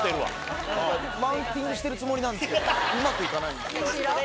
マウンティングしてるつもりなんですけどねうまく行かないんです。